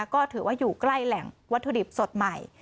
ก็ถือว่าอยู่ใกล้แหล่งวัตถุดิบสดใหม่